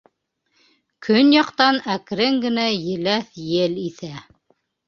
Көньяҡтан әкрен генә еләҫ ел иҫә.